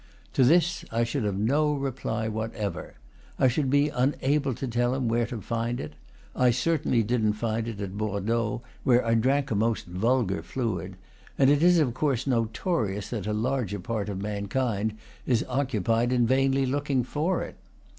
To this I should have no reply whatever. I should be unable to tell him where to find it. I certainly didn't find it at Bordeaux, where I drank a most vulgar fluid; and it is of course notorious that a large part of mankind is occupied in vainly looking for it.